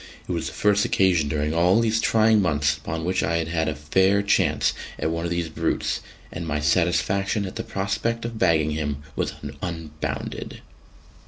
It was the first occasion during all these trying months upon which I had had a fair chance at one of these brutes, and my satisfaction at the prospect of bagging him was unbounded.